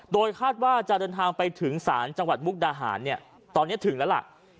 โดยคาดว่าจะเดินทางไปถึงศาลจังหวัดมุกดาหารตอนนี้ถึงแล้วล่ะ